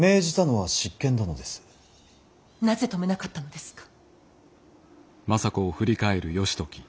なぜ止めなかったのですか。